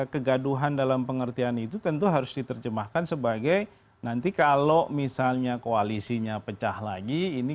kegaduhan dalam pengertian itu tentu harus diterjemahkan sebagai nanti kalau misalnya koalisinya pecah lagi ini